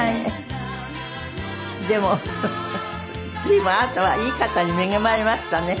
随分あなたはいい方に恵まれましたね。